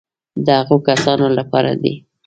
د هغو کسانو لپاره دي.